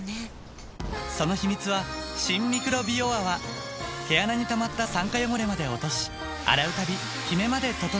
その秘密は毛穴にたまった酸化汚れまで落とし洗うたびキメまで整える